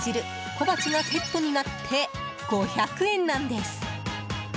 小鉢がセットになって５００円なんです。